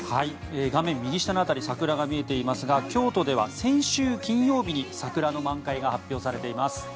画面右下の辺り桜が見えていますが京都では先週金曜日に桜の満開が発表されています。